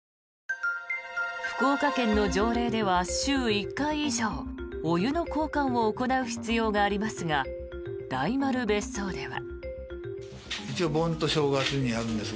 福岡県の条例では週１回以上お湯の交換を行う必要がありますが大丸別荘では。